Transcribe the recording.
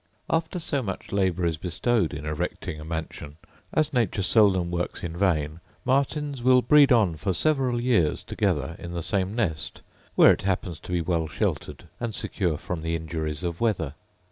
After so much labour is bestowed in erecting a mansion, as nature seldom works in vain, martins win breed on for several years together in the same nest, where it happens to be well sheltered and secure from the injuries of weather.